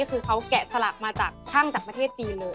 คือเขาแกะสลักมาจากช่างจากประเทศจีนเลย